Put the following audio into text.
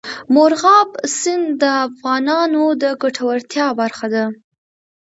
مورغاب سیند د افغانانو د ګټورتیا برخه ده.